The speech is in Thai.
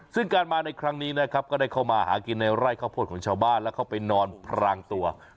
ซึ่งการมาในครั้งนี้นะครับก็ได้เข้ามาหากินในไร่ข้าวโพดของชาวบ้านแล้วเข้าไปนอนพรางตัว